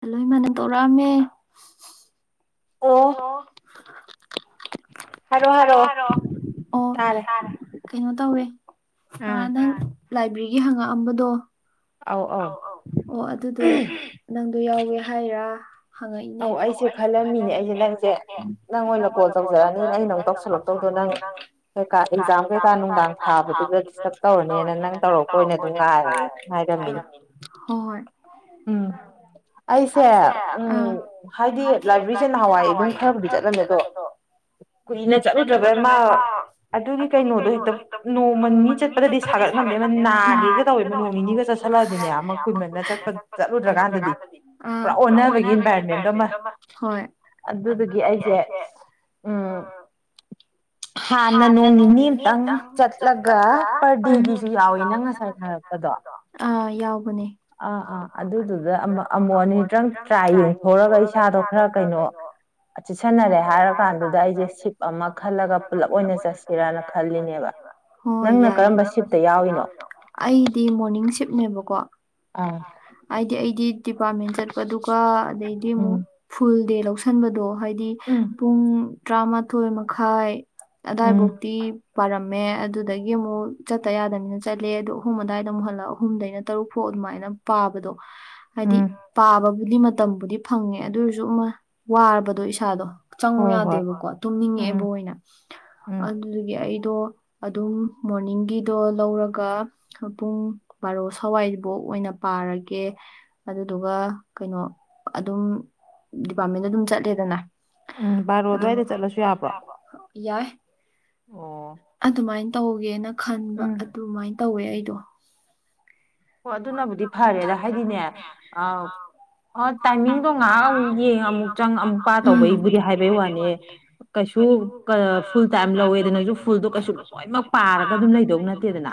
hello [inaudible] E ꯏꯃꯅ ꯇꯧꯔꯛꯑꯝꯃꯦ hello ꯍꯤꯢꯔꯛꯑꯣ ꯇꯥꯔꯦ ꯀꯩꯅꯣ ꯇꯧꯋꯦ ꯑꯥ ꯅꯪ ꯂꯥꯏꯕ꯭ꯔꯦꯔꯤꯒꯤ ꯍꯪꯉꯛꯑꯝꯕꯗꯣ ꯑꯥꯎ ꯑꯥꯎ ꯑꯗꯨꯗꯣ ꯅꯪꯗꯣ ꯌꯥꯎꯋꯦ ꯍꯥꯏꯔꯥ ꯑꯧ ꯑꯩꯁꯦ ꯈꯜꯂꯝꯃꯤꯅꯦ ꯑꯩꯖꯦ ꯅꯪꯖꯦ ꯅꯪ ꯑꯣꯏꯅ ꯀꯣꯜ ꯇꯧꯖꯔꯛꯑꯅꯤ ꯅ ꯑꯩꯅ ꯅ ꯇꯧꯁꯜꯂꯛ [unintelligible] ꯀꯩꯀꯥ ꯍꯖꯥꯡ ꯀꯩꯀꯥ ꯅꯨꯡꯗꯥꯡ ꯊꯥꯕꯗꯨꯗ ꯈꯤꯇꯞ ꯇꯧꯔꯅꯤꯅ ꯅꯪ ꯇꯧꯔꯝꯕꯣꯏ ꯑꯣꯏꯅ ꯑꯗꯨꯝ ꯉꯥꯏꯔ ꯍꯣꯏ ꯍꯣꯏ ꯑꯩꯁꯦ ꯎ ꯍꯥꯏꯗꯤ ꯂꯥꯏꯕ꯭ꯔꯦꯔꯤꯖꯦ ꯅꯍꯥꯟꯋꯥꯏ ꯑꯗꯨꯝ ꯈꯔꯕꯨꯗꯤ ꯆꯠꯂꯃꯦ ꯑꯗꯣ ꯀꯨꯏꯅ ꯆꯠꯂꯨꯗꯔꯕꯩ ꯑꯃꯥ ꯑꯗꯨꯒꯤ ꯀꯩꯅꯣꯗꯣ ꯍꯦꯛꯇ ꯅꯣꯡꯃ ꯅꯤꯅꯤ ꯆꯠꯄꯗꯗꯤ ꯁꯥꯒꯠꯃꯟꯗꯦꯅ ꯅꯥꯅꯤꯒ ꯇꯧꯋꯦꯕ ꯅꯣꯡꯅꯤꯅꯤ [unintelligible] ꯆꯠꯂꯗ꯭ꯔꯀꯥꯟꯗꯗꯤ ꯄꯨꯔ ꯑꯣꯕꯒꯤ ꯍꯣꯏ ꯑꯗꯨꯗꯨꯒꯤ ꯑꯩꯖꯦ ꯎꯝ [unintelligible] ꯍꯥꯟꯅ ꯅꯣꯡ ꯅꯤꯅꯤ ꯑꯃꯇꯪ ꯆꯠꯂꯒ ꯄꯔ ꯗꯦꯒꯤꯁꯨ ꯌꯥꯎꯋꯦ ꯅꯪ ꯉꯁꯥꯏ ꯍꯥꯏꯔꯛꯄꯗꯣ ꯑꯥ ꯌꯥꯎꯕꯅꯦ ꯑꯥ ꯑꯥ ꯑꯗꯨꯗꯨꯗ ꯑꯃ ꯑꯃꯨꯛ ꯑꯅꯤꯗꯪ ꯇ꯭ꯔꯥꯏ ꯌꯦꯡꯊꫭ ꯏꯁꯥꯗꫭ ꯈꯔ ꯀꯩꯅꯣ ꯆꯤꯁꯟꯅꯔꯦ ꯍꯥꯏꯔ ꯀꯥꯟꯗꯨꯗ ꯑꯩꯁꯦ ꯁꯤꯞ‌ ꯑꯃꯥ ꯈꯜꯂꯦ ꯈꯜꯂꯒ ꯄꯨꯂꯞ ꯑꯣꯏꯅ ꯆꯠꯁꯤꯔꯥꯅ ꯈꯜꯂꯤꯅꯦꯕ ꯍꯣꯏ ꯌꯥꯏ ꯅꯪꯅ ꯀꯔꯝꯕ ꯁꯤꯞꯇꯥ ꯌꯥꯎꯔꯤꯅꯣ ꯑꯩꯗꯤ ꯃꯣꯔꯅꯤꯡ ꯁꯤꯞꯅꯦꯕꯀꯣ ꯑꯥ ꯍꯥꯏꯗꯤ ꯑꯩꯗꯤ ꯗꯤꯄꯥꯔꯠꯃꯦꯟ ꯆꯠꯄꯗꯨꯒ ꯑꯗꯩꯗꯤ ꯑꯃꯨꯛ ꯐꯨꯜ ꯗꯦ ꯂꯧꯁꯤꯟꯕꯗꯣ ꯍꯥꯏꯗꯤ ꯄꯨꯡ ꯇꯔꯥꯃꯥꯊꯣꯏ ꯃꯈꯥꯏ ꯑꯥꯏꯕꯣꯛꯗꯤ ꯄꯥꯔꯝꯃꯦ ꯑꯗꯨꯗꯒꯤ ꯑꯃꯨꯛ ꯆꯠꯇ ꯌꯥꯗꯕꯅꯤꯅ ꯆꯠꯂꯦ ꯑꯗꯨ ꯑꯍꯨꯝ ꯑꯗꯨꯋꯥꯏꯗ ꯑꯃꯨꯛ ꯍꯜꯂꯛ ꯑꯍꯨꯝꯗꯩꯅ ꯇꯔꯨꯛ ꯐꯥꯎ ꯑꯗꯨꯃꯥꯏꯅ ꯄꯥꯕꯗꯣ [unintelligible] ꯍꯥꯏꯗꯤ ꯄꯥꯕꯕꯨꯗꯤ ꯃꯇꯝꯕꯨꯗꯤ ꯐꯪꯉꯦ ꯑꯗꯨꯑꫭꯏꯁꯨ ꯑꯃ ꯋꯥꯔꯕꯗꯣ ꯏꯁꯥꯗꯣ ꯆꯪꯉꫭ ꯌꯥꯗꯦꯕꯀꯣ ꯇꯨꯝꯅꯤꯡꯉꯛꯑꯦꯕ ꯑꯣꯏꯅ ꯑꯗꯨꯗꯒꯤ ꯑꯩꯗꯣ ꯑꯗꯨꯝ ꯃꯣꯔꯅꯤꯡꯒꯤꯗꯣ ꯂꯧꯔꯒ ꯄꯨꯡ ꯕꯥꯔꯣ ꯁꯋꯥꯏꯐꯧ ꯑꯣꯏꯅ ꯄꯥꯔꯒꯦ ꯑꯗꯨꯗꯨꯒ ꯀꯩꯅꯣ ꯑꯗꯨꯝ ꯗꯤꯄꯥꯔꯠꯃꯦꯟꯗ ꯑꯗꯨꯝ ꯆꯠꯂꯦꯗꯅ ꯎꯝ ꯕꯥꯏꯔꯣ ꯑꯗꯨ꯭ꯋꯥꯏꯗ ꯆꯠꯂꯁꯨ ꯌꯥꯕ꯭ꯔꯣ ꯌꯥꯏ ꯑꯗꯨꯃꯥꯏꯅ ꯇꯧꯒꯦꯅ ꯈꯟꯕ ꯑꯗꯨꯃꯥꯏꯅ ꯇꯧꯋꯦ ꯑꯩꯗꯣ ꯍꯣꯏ ꯑꯗꯨꯅꯕꯨꯗꯤ ꯐꯔꯦꯗ ꯍꯥꯏꯗꯤꯅꯦ ꯑ ꯑ ꯇꯥꯏꯃꯤꯡꯗꯣ ꯉꯥꯏꯍꯥꯛ ꯑꯃꯨꯛ ꯌꯦꯡꯉ ꯑꯃꯨꯛ ꯆꯪ ꯑꯃꯨꯛ ꯄꯥ ꯇꯧꯕꯩꯕꯨꯗꯤ ꯍꯥꯏꯕꯩ ꯋꯥꯅꯤ ꯀꯩꯁꯨ ꯐꯨꯜ ꯇꯥꯏꯝ ꯂꯧꯋꯦꯗꯅꯁꯨ ꯐꯨꯜꯗꯣ ꯀꯩꯁꯨ ꯂꯣꯏꯅꯃꯛ ꯄꯥꯔꯒ ꯑꯗꯨꯝ ꯂꯩꯗꯧ ꯅꯠꯇꯦꯗꯅ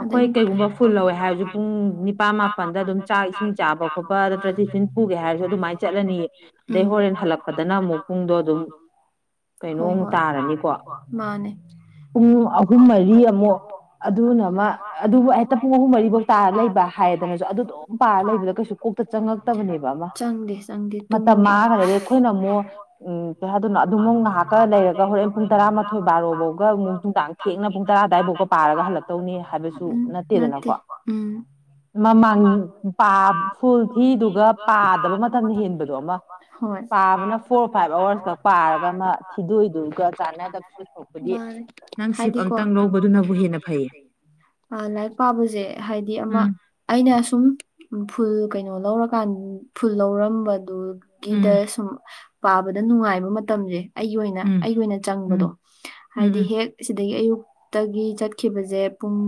ꯑꯩꯈꯣꯏ ꯀꯩꯒꯨꯝꯕ ꯐꯨꯜ ꯂꯧꯋꯦ ꯍꯥꯏ ꯄꯨꯡ ꯅꯤꯄꯥꯥꯟ ꯃꯥꯄꯜꯗ ꯑꯗꯨꯝ ꯆꯥꯛ ꯏꯁꯤꯡ ꯆꯥꯕ ꯈꯣꯠꯄ ꯅꯠꯇ꯭ꯔꯗꯤ ꯇꯤꯐꯤꯟ ꯄꯨꯒꯦ ꯍꯥꯏꯔꯁꯨ ꯑꯗꯨꯃꯥꯏꯅ ꯆꯠꯂꯅꯤꯌꯦ ꯑꯗꯩ ꯍꯣꯔꯦꯟ ꯍꯜꯂꯛꯄꯗꯅ ꯑꯃꯨꯛ ꯄꯨꯡꯗꯣ ꯑꯗꯨꯝ ꯀꯩꯅꯣꯝꯃꯨꯛ ꯇꯥꯔꯅꯤꯀꯣ ꯄꯨꯡ ꯑꯍꯨꯝ ꯃꯔꯤ ꯑꯃꯨꯛ ꯑꯗꯨꯅ ꯑꯃ ꯑꯗꯨꯕꯨ ꯍꯦꯛꯇ ꯄꯨꯡ ꯑꯍꯨꯝ ꯃꯔꯤꯕꯥꯎ ꯇ ꯇꯥꯔ ꯂꯩꯕ ꯍꯥꯏꯗꯅꯖꯨ ꯑꯗꯨꯝ ꯄꯥꯔꯥ ꯂꯩꯕꯗꫭ ꯀꫭꯛꯇꯥ ꯆꯪꯉꯛꯇꯕꯅꯦ ꯆꯪꯗꯦ ꯆꯪꯗꯦ ꯃꯇꯝ ꯃꯥꯡꯉꯒꯗꯤ ꯑꯩꯈꯣꯏꯅ ꯑꯃꯨꯛ ꯎꯝ ꯀꯩ ꯍꯥꯏꯗꯣꯏꯅꯣ ꯑꯗꯨꯃꯨꯛ ꯉꯥꯏꯍꯥꯛꯀ ꯂꯩꯔꯒ ꯍꯣꯔꯦꯟ ꯄꯨꯡ ꯇꯔꯥꯃꯥꯊꯣꯏ ꯕꯥꯔꯣꯐꯧꯒ ꯑꯃꯨꯛ ꯅꯨꯡꯗꯥꯡ ꯊꯦꯡꯅ ꯄꯨꯡ ꯇꯔꯥ ꯑꯗꯨ꯭ꯋꯥꯏꯐꯥꯎꯕ ꯄꯥꯔꯒ ꯍꯜꯂꯛꯇꯧꯅꯤ ꯍꯥꯏꯕꯁꯨ ꯅꯠꯇꯦ ꯅꯠꯇꯦ [inaudible] ꯃꯃꯥꯡ ꯄꯥ ꯐꯨꯜ ꯊꯤꯗꯨꯒ ꯄꯥꯗꯕ ꯃꯇꯝꯗ ꯍꯦꯟꯕꯗꯣ ꯑꯃ ꯄꯥꯕꯅ ꯐꯣꯔ ꯐꯥꯏꯚ ꯑꯋꯥꯔꯁ ꯈꯛ ꯄꯥꯔꯒ ꯑꯃ ꯊꯤꯗꯣꯛꯏꯗꯨꯒ ꯆꯥꯟꯅꯗꯕꯁꯨ ꯑꯗꯨꯁꯣꯛꯄꯨꯗꯤ ꯅꯪ ꯁꯤꯞ ꯑꯝꯇꯪ ꯂꯧꯕꯗꯨꯅꯕꯨ ꯍꯦꯟꯅ ꯐꯩꯌꯦ ꯑꯥ ꯂꯥꯏꯔꯤꯛ ꯄꯥꯕꯖꯦ ꯍꯥꯏꯗꯤ ꯑꯃ ꯑꯩꯅ ꯑꯁꯨꯝ ꯐꯨꯜ ꯀꯩꯅꯣ ꯂꯧꯔꯀꯥꯟ ꯐꯨꯜ ꯂꯧꯔꯝꯕꯗꯨ ꯀꯤꯗ ꯁꯨꯝ ꯄꯥꯕꯗ ꯅꯨꯡꯉꯥꯏꯕ ꯃꯇꯝꯁꯦ ꯑꯩꯒꯤ ꯑꯣꯏꯅ ꯑꯩꯒꯤ ꯑꯣꯏꯅ ꯆꯪꯕꯗꯣ ꯍꯥꯏꯗꯤ ꯍꯦꯛ ꯑꯁꯤꯗꯒꯤ ꯑꯌꯨꯛꯇꯒꯤ ꯆꯠꯈꯤꯕꯁꯦ ꯄꯨꯡ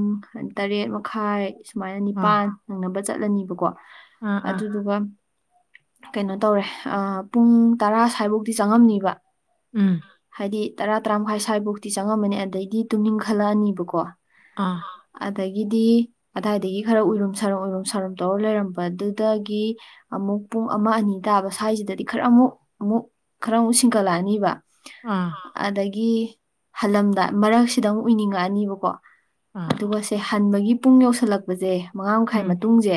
ꯇꯔꯦꯠ ꯃꯈꯥꯏ ꯁꯨꯃꯥꯏꯅ ꯅꯤꯄꯥꯟ ꯅꯪꯅꯕ ꯆꯠꯂꯅꯤꯕꯀꯣ ꯑꯗꯨꯗꯨꯒ ꯀꯩꯅꯣ ꯇꯧꯔꯦ ꯄꯨꯡ ꯇꯔꯥ ꯁ꯭ꯋꯥꯏꯐꯧꯗꯤ ꯆꯪꯉꯝꯅꯤꯕ ꯎꯝ ꯍꯥꯏꯗꯤ ꯇꯔꯥ ꯇꯔꯥ ꯃꯈꯥꯏ ꯁ꯭ꯋꯥꯏꯐꯧꯇꯤ ꯆꯪꯉꯃꯅꯤ ꯑꯗꯩꯗꯤ ꯇꯨꯝꯅꯤꯡꯈꯠꯂꯛꯑꯅꯤꯕꯀꯣ ꯑꯥ ꯑꯗꯒꯤ ꯗꯤ ꯑꯗꯥꯏꯗꯒꯤ ꯈꯔ ꯎꯏꯔꯨꯝ ꯁꯥꯔꯨꯝ ꯎꯏꯔꯨꯝ ꯁꯥꯔꯨꯝ ꯇꯧꯔ ꯂꯩꯔꯝꯕꯗꯨꯗꯒꯤ ꯑꯃꯨꯛ ꯄꯨꯡ ꯑꯃ ꯑꯅꯤ ꯇꯥꯕ ꯁ꯭ꯋꯥꯏꯁꯤꯗꯗꯤ ꯈꯔ ꯑꯃꯨꯛ ꯑꯃꯨꯛ ꯈꯔ ꯑꯃꯨꯛ ꯁꯤꯡꯒꯠꯂꯛꯑꯅꯤꯕ ꯑꯥ ꯑꯗꯒꯤ ꯍꯜꯂꯝꯗꯥꯏ ꯃꯔꯛꯁꯤꯗ ꯑꯃꯨꯛ ꯎꯏꯅꯤꯡꯉꯛꯑꯅꯤꯕꯀꯣ ꯑꯗꯨꯒꯁꯦ ꯍꯟꯕꯒꯤ ꯄꯨꯡ ꯌꯧꯁꯜꯂꯛꯄꯁꯦ ꯃꯉꯥ ꯃꯈꯥꯏ ꯃꯇꯨꯡꯁꯦ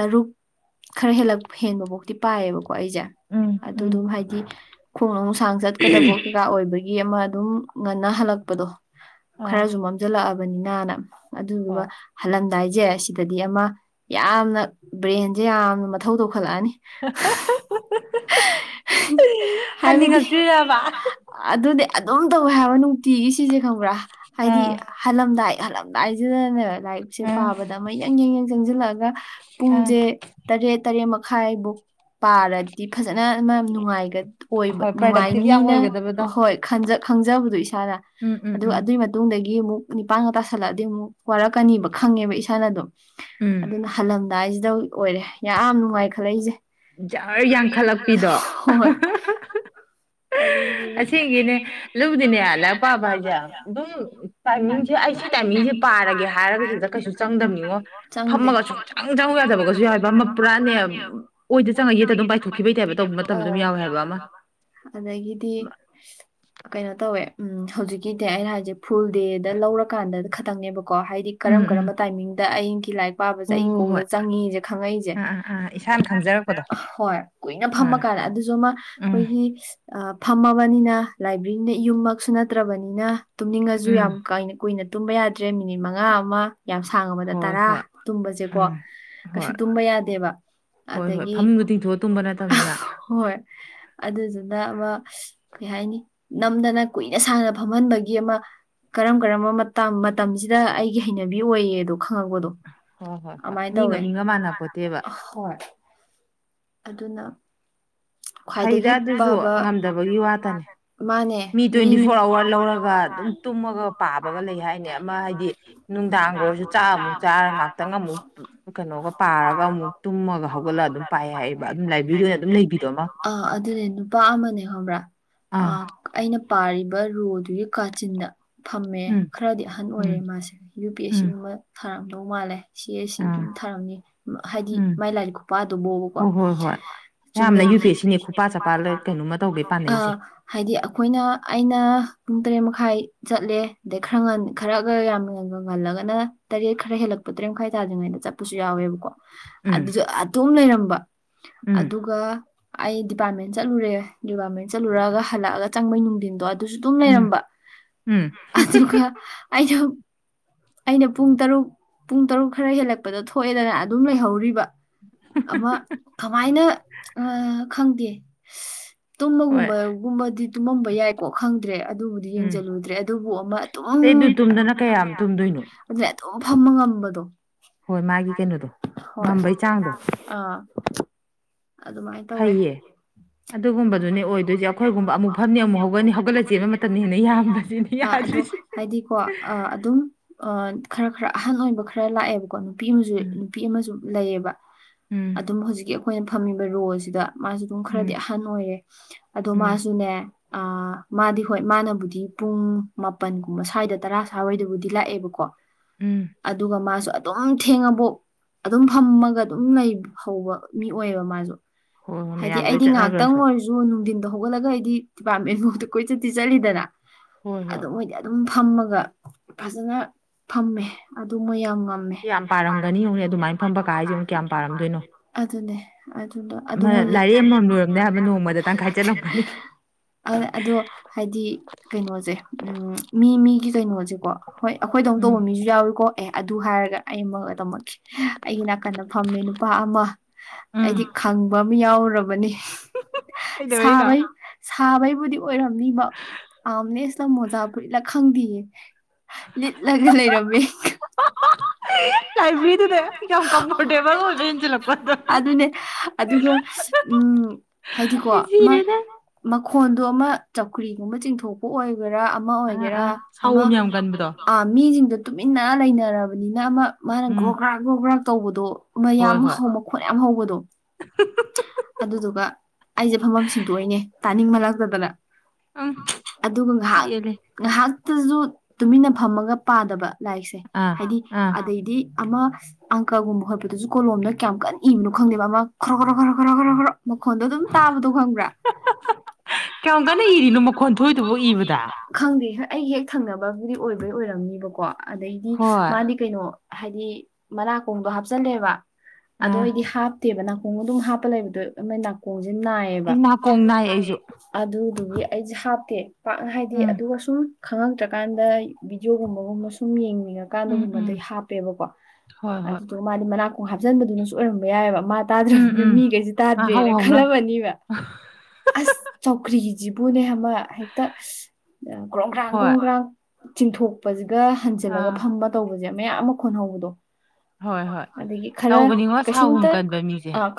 ꯇꯔꯨꯛ ꯈꯔ ꯍꯦꯜꯂꯛ ꯍꯦꯟꯕꯨꯇꯤ ꯄꯥꯏꯌꯦꯕꯀꯣ ꯑꯩꯁꯦ ꯎꯝ ꯑꯗꯨꯗꯣ ꯍꯥꯏꯗꯤ ꯈꯣꯡꯅ ꯃꯨꯛ ꯁꯥꯡꯅ ꯆꯠꯀꯗꯕ ꯥ ꯑꯣꯏꯕꯒꯤ ꯑꯃ ꯑꯗꯨꯝ ꯉꯟꯅꯍꯜꯂꯛꯄꯗꯣ ꯈꯔꯁꯨ ꯃꯝꯁꯤꯜꯂꯛꯑꯕꯅꯤꯅꯅ ꯑꯗꯨꯗꯨꯒ ꯍꯜꯂꯝꯗꯥꯏꯁꯦ ꯁꯤꯗꯗꯤ ꯑꯃ ꯌꯥꯝꯅ ꯕ꯭ꯔꯦꯟꯁꯦ ꯌꯥꯝꯅ ꯃꯊꯧ ꯇꯧꯈꯠꯂꯛꯑꯅꯤ ꯍꯥꯟꯅꯤꯡꯉꯛꯇ꯭ꯔꯤꯔꯕ ꯑꯗꯨꯅꯦ ꯑꯗꯨꯝ ꯇꯧꯋꯦ ꯍꯥꯏꯕ ꯅꯨꯡꯇꯤꯒꯤ ꯁꯤꯁꯦ ꯈꯪꯕ꯭ꯔꯥ ꯍꯥꯏꯗꯤ ꯍꯜꯂꯝꯗꯥꯏ ꯍꯜꯂꯝ ꯂꯥꯏꯖꯗꯅꯦꯕ ꯂꯥꯏꯔꯤꯛꯁꯦ ꯄꯥꯕꯗ ꯑꯃ ꯌꯥꯪ ꯌꯦꯡ ꯌꯥꯪ ꯆꯪꯁꯤꯜꯂꯛꯑꯒ ꯄꯨꯡꯖꯦ ꯇꯔꯦꯠ ꯇꯔꯦꯠ ꯃꯈꯥꯏꯕꯨꯨꯛ ꯄꯥꯔꯗꯤ ꯐꯖꯅ ꯅꯨꯡꯉꯥꯏ ꯑꯣꯏꯕ ꯅꯨꯡꯉꯥꯏꯅꯤꯅ ꯍꯣꯏ ꯈꯪꯖꯕꯗꯣ ꯏꯁꯥꯅ ꯑꯗꯨꯒ ꯑꯗꯨꯏ ꯇꯨꯡꯗꯒꯤ ꯑꯃꯨꯛ ꯅꯤꯄꯥꯟꯒ ꯇꯥꯁꯜꯂꯛꯑꯗꯤ ꯑꯃꯨꯛ ꯋꯥꯔꯛꯀꯅꯤꯕ ꯈꯪꯉꯦꯕ ꯏꯁꯥꯅ ꯑꯗꯨꯝ ꯑꯗꯨꯅ ꯍꯜꯂꯝꯗꯥꯏꯁꯤꯗ ꯑꯣꯏꯔꯦ ꯌꯥꯝ ꯅꯨꯡꯉꯥꯏ ꯈꯜꯂꯛꯏꯁꯦ ꯌꯥꯔ ꯌꯥꯡ ꯈꯜꯂꯛ ꯍꯣꯏ ꯑꯗꯨ ꯑꯁꯤꯒꯤꯅꯦ ꯂꯧꯗꯤꯅꯦ ꯑꯜꯂ ꯄꯕ ꯍꯥꯏꯁꯦ ꯇꯥꯏꯃꯤꯡꯁꯦ ꯑꯩ ꯁꯤ ꯇꯥꯏꯃꯤꯡꯁꯦ ꯄꯥꯔꯒꯦ ꯍꯥꯏꯔꯒ ꯁꯤꯗ ꯀꯩꯁꯨ ꯆꯪꯗꯝꯕꯅꯤꯉꯣ ꯐꯝꯃꯒ ꯁꯨꯝ ꯆꯪꯉꯣ ꯌꯥꯗꯕꯒꯁꯨ ꯌꯥꯎꯋꯦꯕ ꯑꯃ ꯄꯨꯔꯥꯅꯦ ꯁꯤꯗꯤ ꯆꯪꯉꯒ ꯑꯗꯨꯝ ꯄꯥꯏꯊꯣꯛꯈꯤꯕꯒꯤ ꯇꯥꯏꯕ ꯇꯧꯕ ꯃꯇꯝ ꯑꯗꯨꯝ ꯌꯥꯎꯋꯦ ꯍꯥꯏꯕ ꯑꯃ ꯑꯗꯒꯤꯗꯤ [unintelligible] ꯀꯩꯅꯣ ꯇꯧꯋꯦ ꯍꯧꯖꯤꯛꯀꯤꯗꯤ ꯑꯩꯅ ꯍꯥꯏꯁꯦ ꯐꯨꯜ ꯗꯦꯗ ꯂꯧꯔꯀꯥꯟꯗ ꯈꯛꯇꯪꯅꯦꯕꯀꯣ ꯍꯥꯏꯗꯤ ꯀꯔꯝ ꯀꯔꯝꯕ ꯇꯥꯏꯃꯤꯡꯗ ꯑꯩꯒꯤ ꯂꯥꯏꯔꯤꯛ ꯄꯥꯕꯁꯦ ꯑꯩ ꯀꯣꯛꯗ ꯆꯪꯉꯁꯦ ꯈꯪꯉꯛꯏꯁꯦ ꯍꯣꯏ ꯀꯨꯏꯅ ꯐꯝꯃꯀꯥꯟꯗ ꯑꯗꯨꯁꯨ ꯑꯃ ꯑꯩꯈꯣꯏꯒꯤ ꯑ ꯐꯝꯃꯕꯅꯤꯅ ꯂꯥꯏꯕ꯭ꯔꯦꯔꯤꯅ ꯌꯨꯝꯃꯛꯁꯨ ꯅꯠꯇ꯭ꯔꯕꯅꯤꯅ ꯇꯨꯝꯅꯤꯡꯉꯁꯨ ꯌꯥꯝ ꯀꯥꯏꯅ ꯀꯨꯏꯅ ꯇꯨꯝꯕ ꯌꯥꯗ꯭ꯔꯦ ꯃꯤꯅꯤꯠ ꯃꯉꯥ ꯑꯃ ꯌꯥꯝ ꯁꯥꯡꯕꯗ ꯇꯔꯥ ꯇꯨꯝꯕꯁꯦꯀꯣ ꯀꯩꯁꯨ ꯇꯨꯝꯕ ꯌꯥꯗꯦꯕ ꯑꯗꯒꯤ ꯨꯗ ꯇꯤꯡꯊꯣꯛꯑ ꯇꯨꯝꯕ ꯅꯠꯇꯕꯅꯤꯅ ꯍꯣꯏ ꯑꯗꯨꯗꯨꯅ ꯑꯃ ꯀꯩ ꯍꯥꯏꯅꯤ ꯅꯝꯗꯅ ꯀꯨꯏꯅ ꯁꯥꯡꯅ ꯐꯝꯍꯟꯕꯒꯤ ꯑꯃ ꯀꯔꯝ ꯀꯔꯝꯕ ꯃꯇꯝ ꯃꯇꯝꯁꯤꯗ ꯑꯩꯒꯤ ꯍꯩꯅꯕꯤ ꯑꯣꯏꯌꯦꯗꯣ ꯈꯪꯉꯛꯄꯗꯣ ꯑꯃꯥꯏꯅ ꯇꯧꯋꯦ ꯍꯣꯏ ꯑꯗꯨꯅ ꯐꯩꯗ ꯑꯗꯨꯁꯨ ꯉꯝꯗꯕꯒꯤ ꯋꯥꯇꯅꯦ ꯃꯤ ꯇ꯭ꯋꯦꯟꯇꯤ ꯐꯣꯔ ꯑꯋꯥꯔ ꯂꯧꯔꯒ ꯑꯗꯨꯝ ꯇꯨꯝꯃꯒ ꯄꯥꯕꯒ ꯂꯩ ꯍꯥꯏꯅꯦ ꯑꯃ ꯍꯥꯏꯗꯤ ꯅꯨꯡꯗꯥꯡꯒ ꯑꯣꯏꯔꯁꯨ ꯆꯥꯛ ꯑꯃꯨꯛ ꯆꯥꯔ ꯉꯥꯛꯇꯪ ꯑꯃꯨꯛ ꯀꯩꯅꯣꯒ ꯄꯥꯔꯒ ꯑꯃꯨꯛ ꯇꯨꯝꯃꯒ ꯍꯧꯒꯠꯂꯒ ꯑꯗꯨꯝ ꯄꯥꯏ ꯍꯥꯏꯌꯦꯕ ꯑꯗꯨꯝ ꯂꯥꯏꯕ꯭ꯔꯦꯔꯤ ꯑꯣꯏꯅ ꯑꯗꯨꯝ ꯂꯩꯕꯤꯗꯣꯃ ꯑꯥ ꯑꯗꯨꯅꯦ ꯅꯨꯄꯥ ꯑꯃꯅꯦ ꯈꯪꯕ꯭ꯔꯥ ꯑꯥ ꯑꯩꯅ ꯄꯥꯔꯤꯕ ꯔꯣꯗꯨꯒꯤ ꯀꯥꯆꯤꯟꯗ ꯐꯝꯃꯦ ꯈꯔꯗꯤ ꯑꯍꯟ ꯑꯣꯏꯔꯦ ꯃꯥꯁꯦ ꯌꯨ ꯄꯤ ꯑꯦꯁ ꯁꯤꯒꯨꯝꯕ ꯊꯥꯔꯝꯗꯧ ꯃꯥꯜꯂꯦ ꯁꯤ ꯁꯤꯒꯨꯝ ꯊꯥꯔꯝꯅꯤ ꯍꯥꯏꯗꯤ ꯃꯥꯏ ꯂꯥꯏꯔꯤꯛ ꯈꯨꯄꯥ ꯑꯗꯨꯕꯣꯕꯀꯣ ꯆꯨꯝꯅ ꯌꯥꯝꯅ ꯌꯨ ꯄ ꯁꯤꯅꯦꯄꯥ ꯆꯄꯥꯣꯏ ꯀꯩꯅꯣ ꯇꯧꯕꯤ ꯍꯥꯏꯗꯤ ꯑꯩꯈꯣꯏꯅ ꯑꯩꯅ ꯄꯨꯡ ꯇꯔꯦꯠ ꯃꯈꯥꯏ ꯆꯠꯂꯦ ꯑꯗꯩ ꯈꯔ ꯉꯜꯕ ꯈꯔꯒ ꯌꯥꯝꯃꯤꯉꯒ ꯉꯜꯂꯒꯅ ꯇꯔꯦꯠ ꯈꯔ ꯍꯦꯜꯂꯛꯄ ꯇꯔꯦꯠ ꯃꯈꯥꯏ ꯇꯥꯗ꯭ꯔꯤꯉꯩꯗ ꯆꯠꯄꯁꯨ ꯌꯥꯎꯋꯦꯕꯀꯣ ꯑꯗꯨꯁꯨ ꯑꯗꯨꯝ ꯂꯩꯔꯝꯕ ꯎꯝ ꯑꯗꯨꯒ ꯑꯩ ꯗꯤꯄꯥꯔꯠꯃꯦꯟ ꯆꯠꯂꯨꯔꯦ ꯗꯤꯄꯥꯔꯠꯃꯦꯟ ꯆꯠꯂꯨꯔꯒ ꯍꯜꯂꯛꯑꯒ ꯆꯪꯕꯩ ꯅꯨꯡꯊꯤꯟꯗꯣ ꯑꯗꯨꯁꯨ ꯑꯗꯨꯝ ꯂꯩꯔꯝꯕ ꯑꯗꯨꯒ ꯑꯩꯁꯨ ꯑꯩꯅ ꯄꯨꯡ ꯇꯔꯨꯛ ꯄꯨꯡ ꯇꯔꯨꯛ ꯈꯔ ꯍꯦꯜꯂꯛꯄꯗ ꯊꯣꯛꯑꯦꯗꯅ ꯑꯗꯨꯝ ꯂꯩꯍꯧꯔꯤꯕ ꯑꯃ ꯀꯃꯥꯏꯅ ꯈꯪꯗꯦ ꯇꯨꯝꯃꯒꯨꯝꯕꯒꯨꯝꯕꯗꯤ ꯇꯨꯝꯃꯝꯕ ꯌꯥꯏꯀꯣ ꯈꯪꯗ꯭ꯔꯦ ꯑꯗꯨꯕꯨꯗꯤ ꯌꯦꯡꯁꯤꯜꯂꯨꯗ꯭ꯔꯦ ꯑꯗꯨꯕꯨ ꯑꯃ ꯑꯩꯗꯨ ꯇꯨꯝꯗꯅ ꯀꯌꯥꯝ ꯇꯨꯝꯗꯣꯏꯅꯣ ꯑꯗꯨꯗ ꯑꯗꯨꯝ ꯐꯝꯕ ꯉꯝꯕꯗꯣ ꯍꯣꯏ ꯃꯥꯒꯤ ꯍꯣꯏ ꯑꯥ ꯑꯗꯨꯃꯥꯏꯅ ꯇꯧꯋꯦ ꯑꯗꯨ ꯍꯟꯕꯗꯨꯅꯦ ꯑꯣꯏꯗꯣꯏꯗꯤ ꯑꯩꯈꯣꯏꯒꯨꯝꯕ ꯑꯃꯨꯛ ꯐꯪꯅꯤ ꯑꯃꯨꯛ ꯍꯧꯒꯠꯅꯤ ꯍꯧꯒꯠꯂꯀꯦꯕ ꯃꯇꯝꯗꯅ ꯑꯌꯥꯝꯕ ꯍꯥꯏꯗꯤꯀꯣ ꯑ ꯑꯗꯨꯝ ꯑ ꯈꯔ ꯈꯔ ꯑꯍꯟ ꯑꯣꯏꯕ ꯈꯔ ꯂꯥꯛꯑꯦꯕꯀꯣ ꯅꯨꯄꯤ ꯑꯃꯁꯨ ꯅꯨꯄꯤ ꯑꯃꯁꯨ ꯂꯩꯌꯦꯕ ꯑꯗꯨꯝ ꯍꯧꯖꯤꯛꯀꯤ ꯑꯩꯈꯣꯏꯅ ꯐꯝꯃꯤꯕ ꯔꯣꯜꯁꯤꯗ ꯃꯥꯁꯨ ꯑꯗꯨꯝ ꯈꯔꯗꯤ ꯑꯍꯟ ꯑꯣꯏꯔꯦ ꯑꯗꯣ ꯃꯥꯁꯨꯅꯦ [inaudible] ꯃꯥꯗꯤ ꯍꯣꯏ ꯃꯥꯅꯕꯨꯗꯤ ꯄꯨꯡ ꯃꯥꯄꯟꯒꯨꯝꯕ ꯁ꯭ꯋꯥꯏꯗ ꯇꯔꯥ ꯁ꯭ꯋꯥꯏꯗꯕꯨꯗꯤ ꯂꯥꯛꯑꯦꯕꯀꯣ ꯎꯝ ꯑꯗꯨꯒ ꯃꯥꯁꯨ ꯑꯗꯨꯝ ꯊꯦꯡ ꯑꯕꯣꯛ ꯑꯗꯨꯝ ꯐꯝꯃꯒ ꯑꯗꯨꯝ ꯂꯩ ꯍꯧꯕ ꯃꯤ ꯑꯣꯏꯌꯦꯕ ꯃꯥꯁꯨ ꯍꯥꯏꯗꯤ ꯑꯩꯗꯤ ꯉꯥꯏꯍꯥꯛꯇꯪ ꯑꯣꯏꯔꯁꯨ ꯅꯨꯡꯊꯤꯟꯗ ꯍꯧꯒꯠꯂꯒ ꯑꯩꯗꯤ ꯗꯤꯄꯥꯔꯠꯃꯦꯟꯐꯥꯎꯗ ꯀꯣꯏꯆꯠꯇꯤ ꯆꯠꯂꯤꯗꯅ ꯑꯗꯨ ꯃꯣꯏꯗꯤ ꯑꯗꯨꯝ ꯐꯝꯃꯒ ꯐꯖꯅ ꯐꯝꯃꯦ ꯑꯗꯨ ꯃ ꯌꯥꯝ ꯉꯝꯃꯦ ꯀꯌꯥꯝ ꯄꯥꯔꯝꯒꯅꯤꯡꯨꯅꯦ ꯑꯗꯨꯃꯥꯏꯅ ꯐꯝꯕ ꯀꯥ ꯍꯥꯏꯁꯤꯨꯛ ꯀꯌꯥꯝ ꯄꯥꯔꯝꯗꯣꯏꯅꯣ ꯑꯗꯨꯅꯦ ꯑꯗꯨꯗꯣ ꯑꯗꯨ ꯃꯣꯏ ꯑꯗꯣ ꯍꯥꯏꯗꯤ ꯀꯩꯅꯣꯁꯦ ꯃꯤ ꯃꯤꯒꯤ ꯀꯩꯅꯣꯁꯦꯀꯣ ꯍꯣꯏ ꯑꯩꯈꯣꯏꯗ ꯑꯃꯨꯛ ꯇꯧꯕ ꯃꯤꯁꯨ ꯌꯥꯎꯔꯔꯤꯀꯣ ꯑꯦ ꯑꯗꯨ ꯍꯥꯏꯔꯒ ꯑꯩ ꯑꯃ ꯇꯝꯃꯛꯀꯦ ꯑꯩꯒꯤ ꯅꯥꯀꯟꯗ ꯐꯝꯃꯦ ꯅꯨꯄꯥ ꯑꯃ ꯑꯩꯗꯤ ꯈꯪꯕ ꯑꯃ ꯌꯥꯎꯨꯔꯕ ꯅꯤ ꯁꯕꯩ ꯁꯥꯕꯩꯕꯨꯗꯤ ꯑꯣꯏꯔꯝꯅꯤꯕ ꯑꯥꯝꯅꯦꯁꯇ ꯃꯣꯖꯥꯕꯨꯔꯤꯠꯂ ꯈꯪꯗꯦꯌꯦ ꯂꯤꯠꯂꯒ ꯂꯩꯔꯝꯃꯦ ꯑꯗꯨꯅꯦ ꯑꯗꯨꯒ ꯎꯝ ꯍꯥꯏꯗꯤꯀꯣ ꯑꯃ ꯃꯈꯣꯟꯗꯣ ꯑꯃ ꯆꯧꯀ꯭ꯔꯤꯒꯨꯝꯕ ꯆꯤꯡꯊꯣꯛꯄ ꯑꯣꯏꯕꯔꯥ ꯑꯃ ꯑꯣꯏꯒꯦꯔꯥ ꯑꯃ ꯃꯤꯁꯤꯡꯗꯣ ꯇꯨꯃꯤꯟꯅ ꯂꯩꯅꯔꯕꯅꯤꯅ ꯑꯃ ꯃꯥꯅ ꯒ꯭ꯔꯣ ꯭ꯔꯥꯛ ꯒ꯭ꯔꯣ ꯭ꯔꯥꯛ ꯇꯧꯕꯗꯣ ꯃꯌꯥꯝ ꯍꯧ ꯃꯈ ꯈꯣꯠ ꯌꯥꯝ ꯍꯧꯕꯗꯣ ꯑꯗꯨꯗꯨꯒ ꯑꯩꯁꯦ ꯐꯝꯐꯝ ꯁꯤꯟꯗꯣꯛꯏꯅꯦ ꯇꯥꯅꯤꯡꯃꯜꯂꯛꯇꯗꯅ ꯑꯗꯨꯒꯥꯏꯍꯥꯛ ꯉꯥꯏꯍꯥꯛꯇꯁꯨ ꯇꯨꯃꯤꯟꯅ ꯐꯝꯃꯒ ꯄꯥꯗꯕ ꯂꯥꯏꯔꯤꯛꯁꯦ ꯍꯥꯏꯗꯤ ꯑꯗꯩꯗꯤ ꯑꯃ ꯑꯪꯀꯒꯨꯝꯕ ꯍꯣꯠꯄꯗꯁꯨ ꯀꯣꯂꯣꯝꯅ ꯀꯌꯥꯝ ꯀꯟꯅ ꯏꯕꯅꯣ ꯈꯪꯗꯦꯕ ꯑꯃ ꯈꯔ ꯈꯔ ꯈꯔ ꯈꯔ ꯈꯔ ꯈꯔ ꯃꯈꯣꯟꯗꯣ ꯑꯗꯨꯝ ꯇꯥꯕꯗꯣ ꯈꯪꯕ꯭ꯔꯥ ꯀꯌꯥꯝ ꯀꯟꯅ ꯏꯔꯤꯅꯣ ꯃꯈꯣꯟ ꯊꯣꯛꯏꯗꯨꯕꯣ ꯏꯕꯗ ꯈꯪꯗꯦ ꯑꯩ ꯍꯦꯛ ꯊꯪꯅꯕꯕꯨꯗꯤ ꯑꯣꯏꯕꯩ ꯑꯣꯏꯔꯝꯅꯤꯕꯀꯣ ꯑꯗꯩꯗꯤ ꯃꯥꯗꯤ ꯀꯩꯅꯣ ꯍꯥꯏꯗꯤ ꯗꯤ ꯃꯅꯥꯀꯣꯡꯗꯣ ꯍꯥꯞꯆꯜꯂꯦꯕ ꯑꯗꯨ ꯑꯣꯏꯗꯤ ꯍꯥꯞ ꯇꯦꯕ ꯅꯥꯀꯣꯡꯗ ꯑꯗꯨꯝ ꯍꯥꯞꯄ ꯂꯩꯕꯗꯣ ꯅꯥꯀꯣꯡꯁꯦ ꯅꯥꯏꯌꯦꯕ ꯑꯗꯨꯗꯨꯒꯤ ꯑꯩꯁꯦ ꯍꯥꯞꯇꯦ ꯄꯥꯛꯅ ꯍꯥꯏꯗꯤ ꯑꯗꯨꯒ ꯁꯨꯝ ꯈꯪꯉꯛꯇ꯭ꯔꯀꯥꯟꯗ ꯕꯤꯗꯤꯑꯣꯒꯨꯝꯕꯒꯨꯝꯕ ꯁꯨꯝ ꯌꯦꯡꯅꯤꯡꯉꯀꯥꯟꯗꯒꯨꯝꯕ ꯗꯩ ꯍꯥꯞ ꯕꯀꯣ ꯑꯗꯨꯗ ꯃꯥꯗꯤ ꯃꯅꯥꯛꯀꯣꯡ ꯍꯥꯞꯆꯟꯕꯗꯨꯅꯁꯨ ꯑꯣꯏꯔꯝꯕ ꯌꯥꯏꯑꯕ ꯃꯥ ꯇꯥꯗ꯭ꯔꯕꯅꯤꯅ ꯃꯤꯈꯩꯁꯦ ꯇꯥꯗ꯭ꯔꯦꯅ ꯈꯜꯂꯝꯃꯅꯤꯕ ꯑꯁ ꯆꯧꯀ꯭ꯔꯤꯁꯤꯕꯨꯅꯦ ꯑꯃ ꯍꯦꯛꯇ ꯀ꯭ꯔꯣꯡꯈ꯭ꯔꯥꯡ ꯀ꯭ꯔꯣꯡꯈ꯭ꯔꯥꯡ ꯆꯤꯡꯊꯣꯛꯄꯁꯤꯒ ꯍꯟꯖꯤꯜꯂꯒ ꯐꯃ ꯇꯧꯕꯁꯦ ꯃꯌꯥꯝ ꯑꯃ ꯈꯣꯟꯍꯧꯕꯗꯣ ꯑꯗꯒꯤ ꯈꯔ ꯀꯩꯁꯨꯝꯇ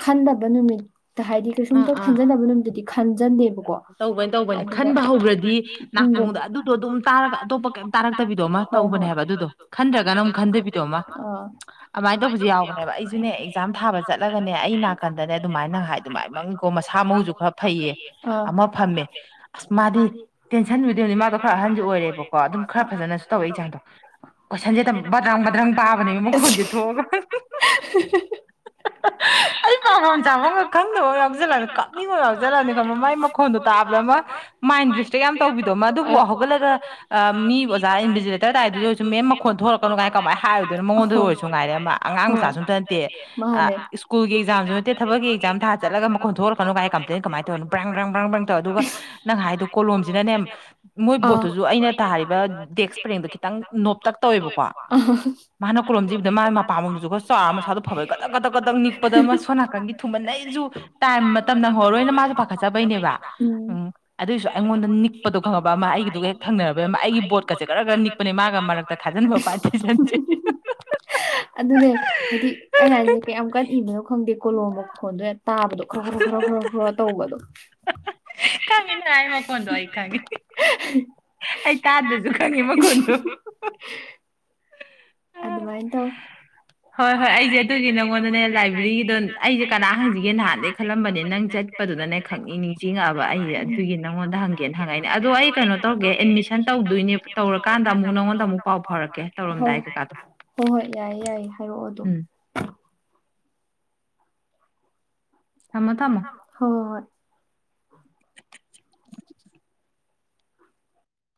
ꯈꯟꯗꯕ ꯅꯨꯃꯤꯠꯇ ꯍꯥꯏꯗꯤ ꯀꯩꯁꯨꯝꯇ ꯈꯟꯖꯗꯕ ꯅꯨꯃꯤꯠꯇꯨꯗꯤ ꯈꯟꯖꯟꯗꯦꯕꯀꯣ ꯇꯧꯕꯅ ꯇꯧꯕ ꯈꯟꯕ ꯍꯧꯔꯗꯤ ꯅꯥꯀꯣꯡꯗ ꯑꯗꯨꯗꯣ ꯑꯗꯨꯝ ꯇꯥꯔꯒ ꯑꯇꯣꯞꯄ ꯇꯥꯔꯛꯇꯕꯤꯗꯣꯇꯧꯕꯅꯦ ꯍꯥꯏꯕ ꯑꯗꯨꯗꯣ ꯈꯟꯗ꯭ꯔꯒ ꯅ ꯈꯟꯗꯕꯤꯗꯣ ꯑꯗꯨꯃꯥꯏꯅ ꯇꯧꯕꯁꯨ ꯌꯥꯎꯕꯅꯦꯕ ꯑꯩꯁꯨꯅꯦ ꯑꯦꯛꯖꯥꯝ ꯊꯥꯕ ꯆꯠꯂꯒꯅꯦ ꯑꯩ ꯅꯥꯀꯟꯗꯅꯦ ꯑꯗꯨꯃꯥꯏꯅ ꯅꯪ ꯍꯥꯏ ꯑꯗꯨꯃꯥꯏꯅ ꯃꯪꯀꯣ ꯃꯁꯥ ꯃꯎꯁꯨ ꯈꯔ ꯐꯩꯌꯦ ꯑꯃ ꯐꯝꯃꯦ ꯑꯁ ꯃꯥꯗꯤ ꯇꯦꯟꯁꯟꯗꯨꯗꯅꯤ ꯃꯥꯗꯣ ꯈꯔ ꯑꯍꯟꯁꯨ ꯑꯣꯏꯔꯦꯕꯀꯣ ꯑꯗꯨꯝ ꯈꯔ ꯐꯖꯅꯁꯨ ꯇꯧꯋꯦ ꯏꯆꯥꯡꯗꯣ ꯀꯣꯏꯁꯟꯁꯦ ꯕꯗ꯭ꯔꯪ ꯕꯗ꯭ꯔꯪ ꯄꯥꯕꯅꯦꯕ ꯃꯈꯣꯟꯁꯦ ꯊꯣꯛꯑꯒ [inaudible] ꯑꯩ ꯄꯥꯝꯐꯝ ꯆꯥꯐꯝꯒ ꯈꯪꯗꯕ ꯌꯥꯎꯁꯜꯂꯛꯑꯅꯦ ꯀꯥꯞꯅꯤꯡꯕꯃ ꯌꯥꯎꯁꯜꯂꯛꯑꯅꯤ ꯃꯥꯏ ꯃꯈꯣꯟꯗꯣ ꯇꯥꯕꯗ ꯑꯃ ꯃꯥꯏꯟ ꯗꯤꯁꯇ꯭ꯔꯦꯛ ꯌꯥꯝꯅ ꯇꯧꯕꯤꯗꯣꯃ ꯑꯗꯨꯕꯨ ꯍꯧꯒꯠꯂꯒ ꯃꯤ ꯑꯣꯖꯥ ꯏꯟꯕꯤꯁꯤ ꯇ ꯇꯥꯏꯗꯨꯗ ꯑꯣꯏꯁꯨ ꯃꯦꯝ ꯃꯈꯣꯟ ꯊꯣꯛꯍꯜꯂꯛꯀꯅꯣ ꯀꯃꯥꯏ ꯍꯥꯏꯔꯨꯗꯣꯏꯅꯣ ꯃꯉꯣꯟꯗ ꯑꯣꯏꯔꯁꯨ ꯉꯥꯏꯔꯦ ꯑꯃ ꯑꯉꯥꯡ ꯃꯆꯥꯁꯨꯇ ꯅꯠꯇꯦ ꯁ꯭ꯀꯨꯜꯒꯤ ꯑꯦꯛꯖꯥꯁꯨ ꯇꯧ ꯊꯕꯛꯀꯤ ꯑꯦꯖꯥꯝ ꯊꯥ ꯆꯠꯂ ꯃꯈꯣꯟ ꯊꯣꯛꯍꯜꯂꯛꯀꯅꯣ ꯀꯥꯏ ꯀꯝꯄ꯭ꯂ ꯀꯃꯥꯏꯅꯧꯅ ꯄ꯭ꯔꯥꯡ ꯄꯕ꯭ꯔꯪ ꯕ꯭ꯔꯪ ꯕ꯭ꯔꯪ ꯇꯧ ꯑꯗꯨꯒ ꯅꯪ ꯍꯥꯏꯗꯣ ꯀꯣꯂꯣꯝꯁꯤꯅꯅꯦ ꯃꯣꯏ ꯕꯣꯠꯇꯨꯁꯨ ꯑꯩꯅ ꯊꯥꯔꯤꯕ ꯗꯦꯛꯁꯄ꯭ꯔꯦꯡꯗꯣ ꯈꯤꯇꯪ ꯅꯣꯞꯇꯛ ꯇꯧꯋꯦꯕꯀꯣ ꯑ [inaudible] ꯃꯥꯅ ꯀꯣꯂꯣꯝꯖꯤ ꯏꯕꯗ ꯃꯥ ꯃꯄꯥꯝꯕꯣꯝ ꯗꯨꯁꯨ ꯈꯔ ꯆꯥꯎꯔ ꯃꯁꯥꯗꯣ ꯐꯕꯩ ꯀꯗꯛ ꯀꯗꯛ ꯀꯗꯛ ꯅꯤꯛꯄꯗ ꯑꯃ ꯁꯣꯝ ꯅꯥꯀꯟꯒꯤ ꯊꯨꯃꯟꯅꯩ ꯑꯩꯁꯨ ꯇꯥꯏꯝ ꯃꯇꯝ ꯅꯪꯍꯧꯔꯣꯏꯅ ꯃꯥꯁꯨ ꯄꯥꯈꯠꯆꯕ ꯕ ꯎꯝ ꯑꯗꯨꯑꯣꯏꯁꯨ ꯑꯩꯉꯣꯟꯗ ꯅꯤꯛꯄꯗꯣ ꯈꯪꯉꯛꯕ ꯑꯃ ꯑꯩꯒꯤꯗꯨꯒ ꯍꯦꯛ ꯊꯪꯅꯔꯕ ꯑꯃ ꯑꯩꯒꯤ ꯕꯣꯠ ꯒꯔ ꯒꯔ ꯅꯤꯛꯄꯅꯦ ꯃꯥꯒ ꯃꯔꯛꯇ ꯊꯥꯖꯟ ꯑꯗꯨꯅꯦ ꯍꯥꯏꯗꯤ ꯑꯩ ꯍꯥꯏꯗꯤ ꯌꯥꯝ ꯀꯟ ꯏꯕꯅꯣ ꯈꯪꯗꯦ ꯀꯣꯂꯣꯝ ꯃꯈꯣꯟꯗꯣ ꯇꯥꯕꯗꯣ ꯈꯔ ꯈꯔꯣ ꯈꯔ ꯈꯔ ꯈꯔ ꯇꯧꯕꯗꯣ ꯈꯪꯉꯦ ꯅꯪ ꯍꯥꯏ ꯃꯈꯣꯟꯗꯣ ꯀꯪꯉꯦ [unintelligible] ꯑꯩ ꯇꯥꯗ꯭ꯔꯁꯨ ꯈꯪꯉꯤ ꯃꯈꯣꯟꯗꯣ ꯑꯗꯨꯃꯥꯏꯅ ꯇꯧ ꯍꯣꯏ ꯍꯣꯏ ꯑꯩꯁꯦ ꯑꯗꯨꯒꯤ ꯅꯪꯉꯣꯟꯗꯅꯦ ꯂꯥꯏꯕ꯭ꯔꯦꯔꯤꯒꯤꯗꯣ ꯑꯩꯁꯦ ꯀꯅꯥ ꯍꯪꯁꯤꯒꯦ ꯅꯍꯥꯟꯗꯒꯤ ꯈꯜꯂꯝꯕꯅꯦ ꯅꯪ ꯆꯠꯀ ꯆꯠꯄꯗꯨꯗꯅꯦ ꯈꯪꯅꯤꯡ ꯅꯤꯡꯁꯤꯡꯤꯉꯛꯑꯕ ꯑꯩ ꯑꯗꯨꯒꯤ ꯅꯉꯣꯟꯗ ꯍꯪꯒꯦꯅ ꯍꯪꯉꯛꯏꯅꯦ ꯑꯗꯣ ꯑꯩ ꯀꯩꯅꯣ ꯇꯧꯔꯒꯦ ꯑꯦꯗꯃꯤꯁꯟ ꯟ ꯇꯧꯗꯣꯏꯅꯦꯕ ꯇꯧꯔꯀꯥꯟꯗ ꯑꯃꯨꯛ ꯅꯪꯉꯣꯟꯗ ꯑꯃꯨꯛ ꯄꯥꯎ ꯐꯥꯎꯔꯛꯀꯦ ꯇꯧꯔꯝꯗꯥꯏ ꯀꯩꯀꯥꯗꯣ ꯍꯣꯏ ꯍꯣꯏ ꯌꯥꯏꯌꯦ ꯌꯥꯏꯌꯦ ꯍꯥꯏꯔꯛꯑꯣ ꯑꯗꯨꯝ ꯊꯝꯃꯣ ꯊꯝ ꯍꯣꯍꯣ ꯍꯣꯏ